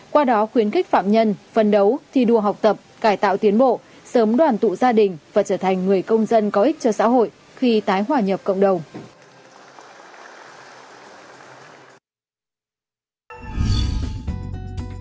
qua đó khuyến khích phạm nhân phân đấu thi đua học tập cải tạo tiến bộ sớm đoàn tụ gia đình và trở thành người công dân có ích cho xã hội khi tái hòa nhập cộng đồng